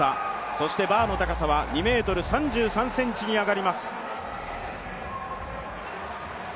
そしてバーの高さは２ｍ３３ｃｍに上がります。